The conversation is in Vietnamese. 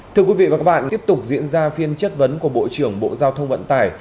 thưa quý vị và các bạn tiếp tục diễn ra phiên chất vấn của bộ trưởng bộ giao thông vận tải